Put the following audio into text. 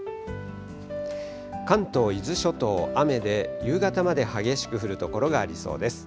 関東、伊豆諸島、雨で、夕方まで激しく降る所がありそうです。